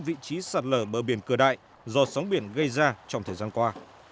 vị trí sạt lở bờ biển cửa đại do sóng biển gây ra trong thời gian qua